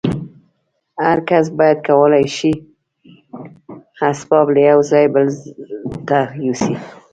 هر کس کولای شي اسباب له یوه ځای بل ته یوسي